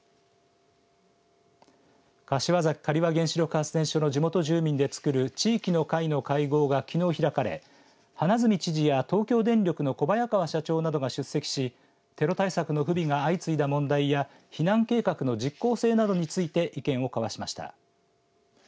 柏崎刈羽原子力発電所の地元住民で作る地域の会の会合がきのう開かれ花角知事や東京電力の小早川社長などが出席しテロ対策の不備が相次いだ問題や避難計画の実効性などについて意見を交わしました。